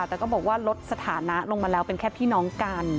แต่ก็บอกว่าลดสถานะลงมาแล้วเป็นแค่พี่น้องกัน